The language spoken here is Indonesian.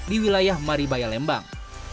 di wilayah maribaya lembang